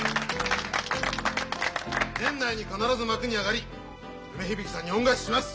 年内に必ず幕に上がり梅響さんに恩返しします。